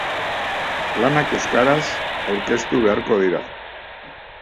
Lanak euskaraz aurkeztu beharko dira.